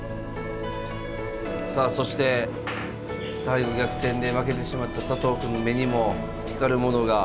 さあそして最後逆転で負けてしまった佐藤くんの目にも光るものが。